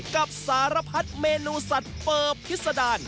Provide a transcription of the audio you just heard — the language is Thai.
กับสารพัดเมนูสัตว์เปิบพิษดาร